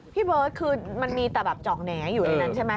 พี่เบิร์ตคือมันมีแต่แบบจอกแหน่อยู่ในนั้นใช่ไหม